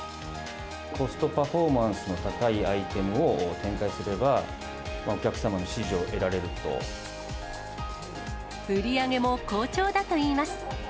コストパフォーマンスの高いアイテムを展開すれば、売り上げも好調だといいます。